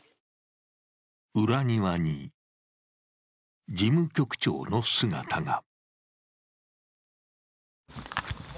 裏庭に、事務局長の姿が。